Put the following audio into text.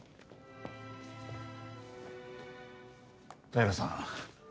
平良さん